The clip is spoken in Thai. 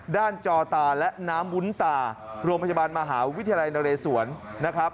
จอตาและน้ำวุ้นตาโรงพยาบาลมหาวิทยาลัยนเรศวรนะครับ